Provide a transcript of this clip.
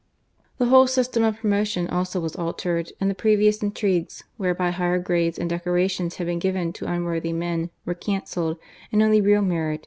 The whole ^i^tem of proau)tioti also was altered, and' the previous intrigues, whereby higher grades and deco rations had been given to unworthy men, were cancelled, and only real merit